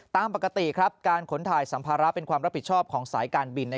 ตามปกติการขนถ่ายสัมภาระเป็นความรับผิดชอบของสายการบิน